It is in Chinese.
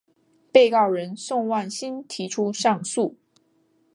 被告人宋万新提出上诉。